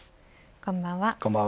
こんばんは。